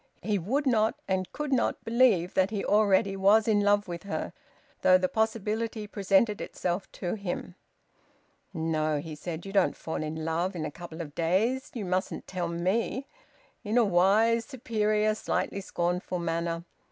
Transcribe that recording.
He would not and could not believe that he already was in love with her, though the possibility presented itself to him. "No," he said, "you don't fall in love in a couple of days. You mustn't tell me " in a wise, superior, slightly scornful manner.